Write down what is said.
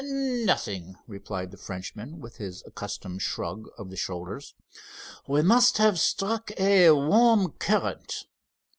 "Nothing," replied the Frenchman, with his accustomed shrug of the shoulders. "We must have struck a warm current.